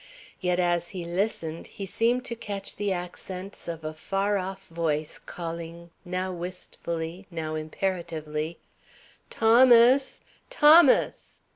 Yet as he listened he seemed to catch the accents of a far off voice calling, now wistfully, now imperatively, "Thomas! Thomas!"